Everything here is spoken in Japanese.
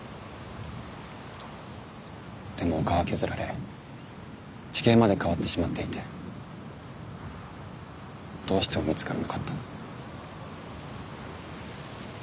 でも丘は削られ地形まで変わってしまっていてどうしても見つからなかった。